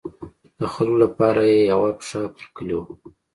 د خلکو لپاره یې یوه پښه پر کلي وه.